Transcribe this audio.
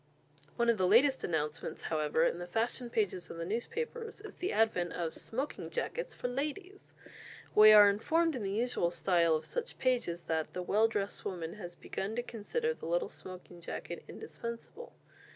One of the latest announcements, however, in the fashion pages of the newspapers is the advent of "Smoking Jackets" for ladies! We are informed in the usual style of such pages, that "the well dressed woman has begun to consider the little smoking jacket indispensable."